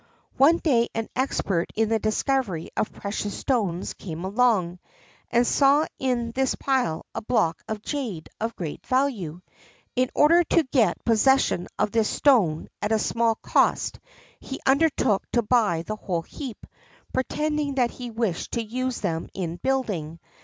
One day an expert in the discovery of precious stones came along, and saw in this pile a block of jade of great value. In order to get possession of this stone at a small cost, he undertook to buy the whole heap, pretending that he wished to use them in building.